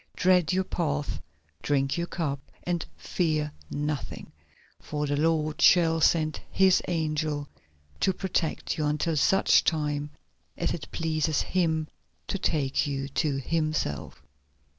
Tread your path, drink your cup, and fear nothing, for the Lord shall send His angel to protect you until such time as it pleases Him to take you to Himself."